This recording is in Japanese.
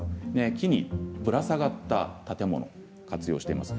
木にぶら下がった建物活用しています。